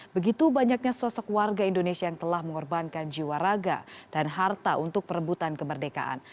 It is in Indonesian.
begitu banyaknya sosok warga indonesia yang telah mengorbankan jiwa raga dan harta untuk perebutan kemerdekaan